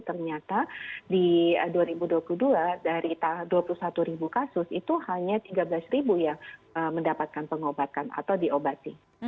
ternyata di dua ribu dua puluh dua dari dua puluh satu ribu kasus itu hanya tiga belas ribu yang mendapatkan pengobatan atau diobati